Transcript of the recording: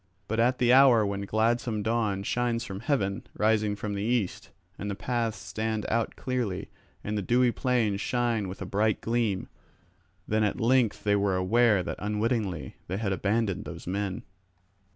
But at the hour when gladsome dawn shines from heaven, rising from the east, and the paths stand out clearly, and the dewy plains shine with a bright gleam, then at length they were aware that unwittingly they had abandoned those men.